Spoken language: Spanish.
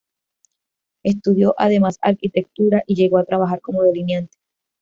Estudió además Arquitectura, y llegó a trabajar como delineante.